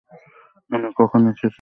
আপনি কখন এসেছেন?